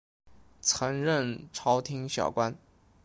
曾任朝廷小官。